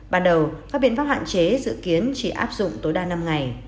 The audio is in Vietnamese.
ban đầu các biện pháp hạn chế dự kiến chỉ áp dụng tối đa năm ngày